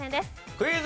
クイズ。